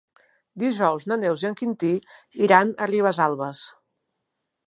Dijous na Neus i en Quintí iran a Ribesalbes.